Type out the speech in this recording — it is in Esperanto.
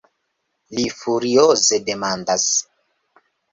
Li furioze demandas.